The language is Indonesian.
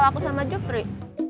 soal aku sama jopri